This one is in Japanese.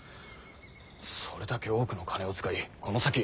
それだけ多くの金を使いこの先